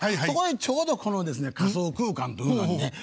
そこへちょうどこのですね仮想空間というのにね